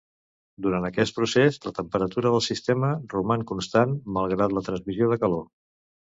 Durant aquest procés, la temperatura del sistema roman constant malgrat la transmissió de calor.